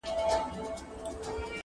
خر په وهلو نه آس کېږي.